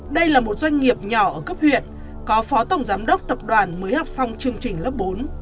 đây là một doanh nghiệp nhỏ ở cấp huyện có phó tổng giám đốc tập đoàn mới học xong chương trình lớp bốn